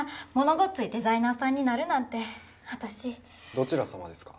ごっついデザイナーさんになるなんて私どちらさまですか？